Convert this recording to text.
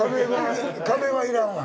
壁は要らんわ。